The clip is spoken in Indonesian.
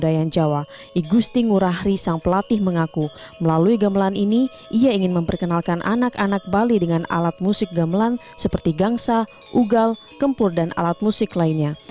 igusti ngurahri sang pelatih mengaku melalui gamelan ini ia ingin memperkenalkan anak anak bali dengan alat musik gamelan seperti gangsa ugal kempur dan alat musik lainnya